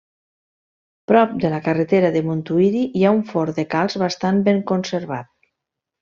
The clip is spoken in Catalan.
Prop de la carretera de Montuïri hi ha un forn de calç bastat ben conservat.